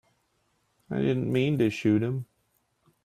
I didn't mean to shoot him.